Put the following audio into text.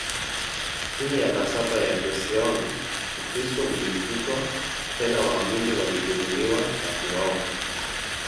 Chini ya nasaba ya Joseon, Ukristo ulifutwa, tena waamini walidhulumiwa na kuuawa.